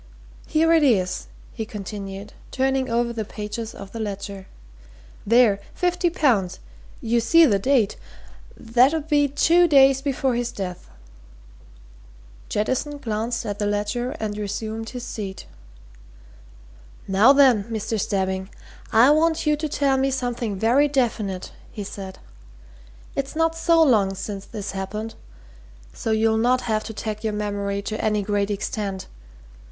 Here it is," he continued, turning over the pages of the ledger. "There! 50 pounds. You see the date that 'ud be two days before his death." Jettison glanced at the ledger and resumed his seat. "Now, then, Mr. Stebbing, I want you to tell me something very definite," he said. "It's not so long since this happened, so you'll not have to tag your memory to any great extent.